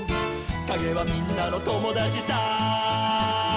「かげはみんなのともだちさ」